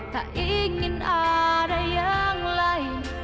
tak ingin ada yang lain